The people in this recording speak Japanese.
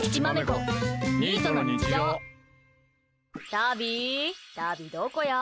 タビ、タビどこや？